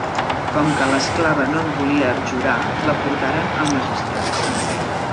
Com que l'esclava no en volia abjurar, la portaren al magistrat.